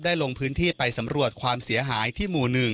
ลงพื้นที่ไปสำรวจความเสียหายที่หมู่๑